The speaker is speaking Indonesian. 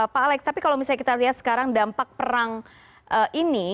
pak alex tapi kalau misalnya kita lihat sekarang dampak perang ini